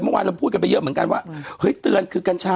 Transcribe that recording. เมื่อวานเราพูดกันไปเยอะเหมือนกันว่าเฮ้ยเตือนคือกัญชา